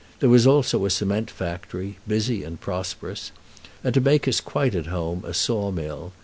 There was also a cement factory, busy and prosperous; and to make us quite at home, a saw mill.